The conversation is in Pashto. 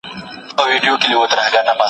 د بي حيايي نسبت ورته کوي